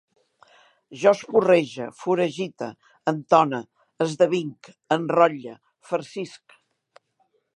Jo esporrege, foragite, entone, esdevinc, enrotlle, farcisc